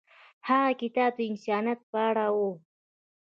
هغه کتاب د انسانیت په اړه و.